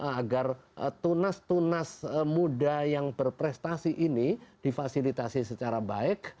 agar tunas tunas muda yang berprestasi ini difasilitasi secara baik